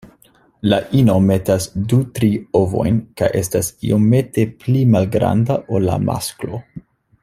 La ino metas du-tri ovojn kaj estas iomete pli malgranda ol la masklo.